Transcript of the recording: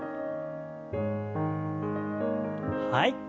はい。